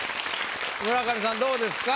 村上さんどうですか？